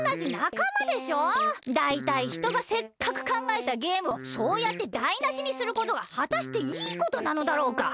だいたいひとがせっかくかんがえたゲームをそうやってだいなしにすることがはたしていいことなのだろうか？